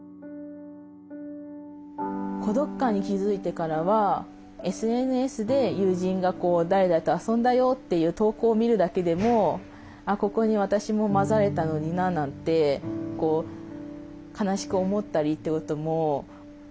孤独感に気付いてからはＳＮＳで友人が誰々と遊んだよという投稿を見るだけでも「ここに私も交ざれたのにな」なんて悲しく思ったりってことも結構多くて。